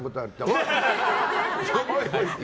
おい！